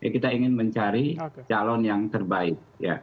kita ingin mencari calon yang terbaik